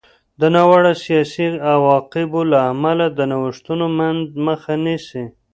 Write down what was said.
د ناوړه سیاسي عواقبو له امله د نوښتونو مخه نیسي.